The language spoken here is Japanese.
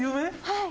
「はい」